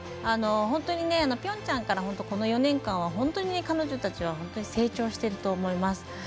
本当にピョンチャンからの４年間本当に彼女たちは成長してると思います。